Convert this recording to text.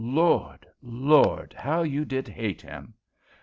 Lord, Lord, how you did hate him!